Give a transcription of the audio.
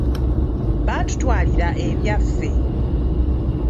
Baatutwalira ebyaffe.